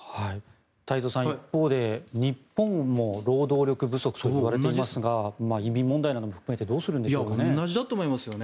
太蔵さん、一方で日本も労働力不足といわれていますが移民問題なども含めてどうするんですかね。